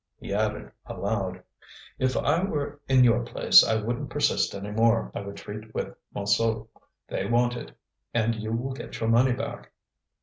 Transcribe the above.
He added aloud: "If I were in your place I wouldn't persist any more; I would treat with Montsou. They want it, and you will get your money back."